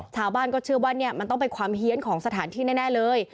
ชาวบ้านก็เชื่อว่าเนี่ยมันต้องเป็นความเฮียนของสถานที่แน่เลย